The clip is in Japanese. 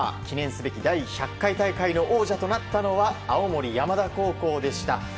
記念すべき第１００回大会の王者となったのは青森山田高校でした。